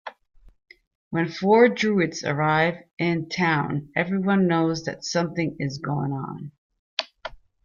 When four Druids arrive in town everyone knows that something is going on.